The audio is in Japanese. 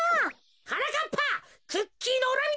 はなかっぱクッキーのうらみだ。